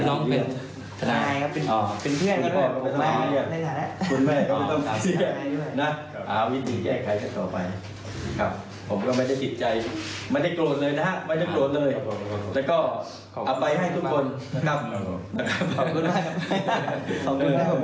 แล้วก็อภัยให้ทุกคน